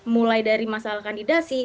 mulai dari masalah kandidasi